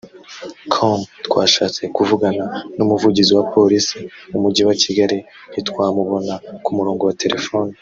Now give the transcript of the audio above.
com twashatse kuvugana n’umuvugizi wa polisi mu mujyi wa Kigali ntitwamubona ku murongo wa telefone